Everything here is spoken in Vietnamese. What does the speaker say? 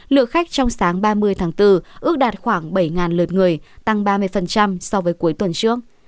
lượng khách trong sáng ba mươi tháng bốn ước đạt khoảng bảy lượt người tăng ba mươi so với cuối tuần trước